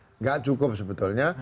tidak cukup sebetulnya